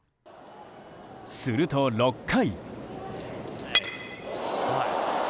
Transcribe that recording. すると、６回。